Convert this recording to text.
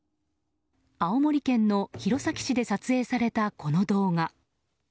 青森県の弘前市で撮影されたこの動画。